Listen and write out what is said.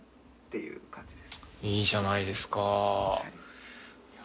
いいじゃないですか。